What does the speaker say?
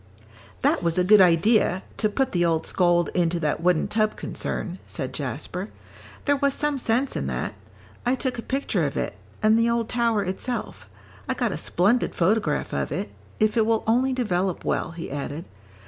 '" "That was a good idea, to put the old scold into that wooden tub concern," said Jasper; "there was some sense in that. I took a picture of it, and the old tower itself. I got a splendid photograph of it, if it will only develop well," he added.